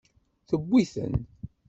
Tewwi-ten.